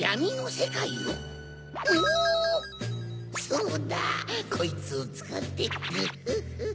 そうだこいつをつかってグフフフ！